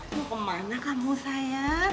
mau kemana kamu sayang